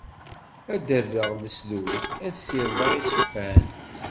Ad d-rreɣ lesdud, ad sirdeɣ iseqfan.